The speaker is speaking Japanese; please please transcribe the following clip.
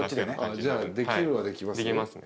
じゃあできるはできますね？